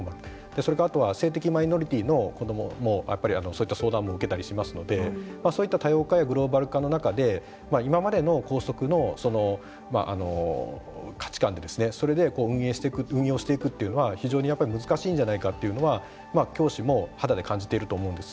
それからあとは性的マイノリティーの子どももそういった相談も受けたりしますのでそういった多様化やグローバル化の中で今までの校則の価値観それで運用していくというのは非常にやっぱり難しいんじゃないかというのは教師も肌で感じていると思うんです。